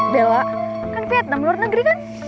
bella kan vietnam luar negeri kan